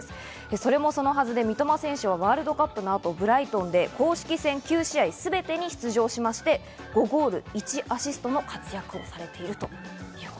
それもそのはず、三笘選手はワールドカップのあとブライトンで公式戦９試合全てに出場しまして、５ゴール１アシストの活躍をされています。